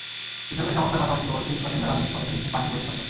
বেসরকারি সংস্থার পাশাপাশি বস্তির বাসিন্দারা নিজ খরচে নিচ্ছেন পানির বৈধ সংযোগ।